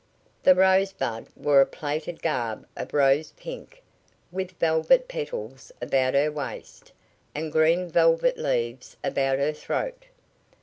The Rosebud wore a plaited garb of rose pink, with velvet petals about her waist, and green velvet leaves about her throat.